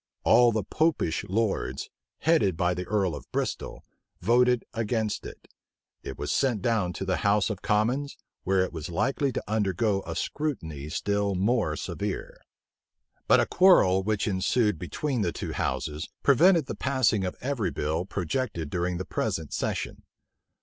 All the Popish lords, headed by the earl cf Bristol, voted against it. It was sent down to the house of commons, where it was likely to undergo a scrutiny still more severe. But a quarrel which ensued between the two houses, prevented the passing of every bill projected during the present session.